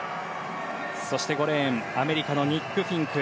そして５レーンアメリカのニック・フィンク。